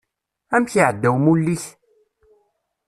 Amek iεedda umulli-k?